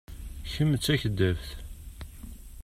Kemm d takeddabt.